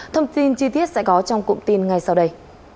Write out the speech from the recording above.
thông tin chi tiết sẽ có trong cụm tin ngay sau đây